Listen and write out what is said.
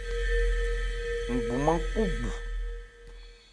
Ngbumán kú gbu.